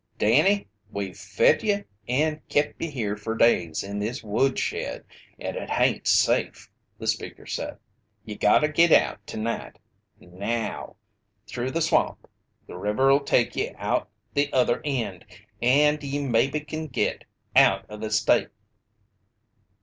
"Danny, we've fed ye and kept ye here fer days in this woodshed, and it hain't safe!" the speaker said. "Ye gotta git out tonight now through the swamp. The river'll take ye out the other end, and ye maybe kin git out o' the state."